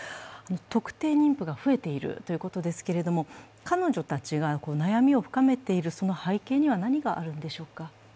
特定妊婦が増えているということですけれども彼女たちが悩みを深めている背景には何があるんでしょうか？